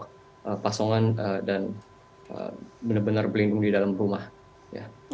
jadi banyak orang sekarang lagi belanja lagi menyetor